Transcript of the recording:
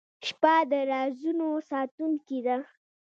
• شپه د رازونو ساتونکې ده.